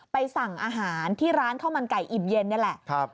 สั่งอาหารที่ร้านข้าวมันไก่อิ่มเย็นนี่แหละ